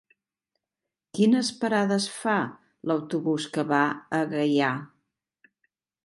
Quines parades fa l'autobús que va a Gaià?